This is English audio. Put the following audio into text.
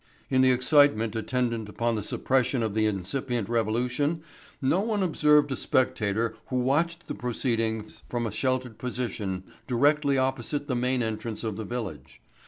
In the excitement attendant upon the suppression of the incipient revolution no one observed a spectator who watched the proceedings from a sheltered position directly opposite the main entrance of the village.